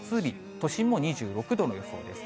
都心も２６度の予想です。